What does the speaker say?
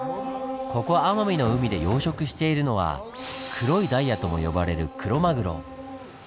ここ奄美の海で養殖しているのは「黒いダイヤ」とも呼ばれるクロマグロ。